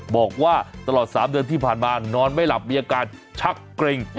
บอกว่าตลอด๓เดือนที่ผ่านมานอนไม่หลับมีอาการชักเกร็ง